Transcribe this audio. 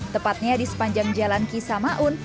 tepatnya di sepanjang jalan kisamaun